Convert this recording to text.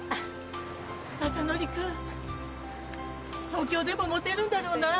東京でもモテるんだろうな。